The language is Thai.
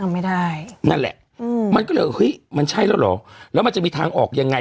ไม่ได้นั่นแหละอืมมันก็เลยเฮ้ยมันใช่แล้วเหรอแล้วมันจะมีทางออกยังไง